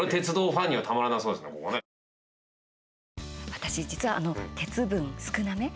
私、実は鉄分少なめ？